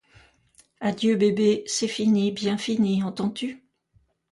Adieu, bébé, c'est fini, bien fini, entends-tu.